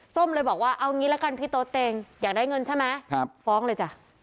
ส้มเลยบอกว่าเอางี้ละกันพี่โต๊ดเตงอยากได้เงินใช่ไหมฟ้องเลยจ้ะ